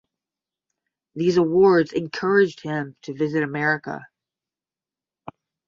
These awards encouraged him to visit America.